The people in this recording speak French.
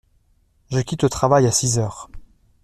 Je quitte le travail à six heures.